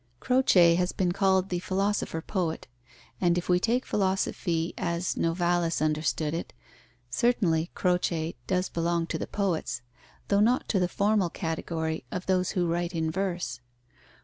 Croce has been called the philosopher poet, and if we take philosophy as Novalis understood it, certainly Croce does belong to the poets, though not to the formal category of those who write in verse.